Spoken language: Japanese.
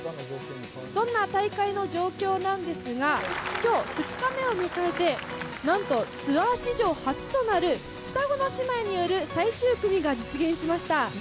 そんな大会の状況なんですが、きょう２日目を迎えて、なんとツアー史上初となる、双子の姉妹による最終組が実現しました。